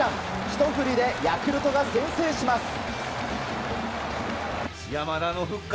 ひと振りでヤクルトが先制します。